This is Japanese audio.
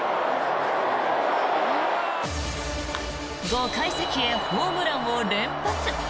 ５階席へホームランを連発。